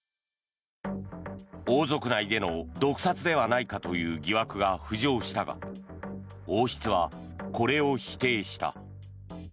王族内での毒殺ではないかという疑惑が浮上したが王室は、これを否定した。